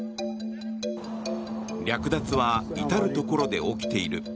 略奪は至るところで起きている。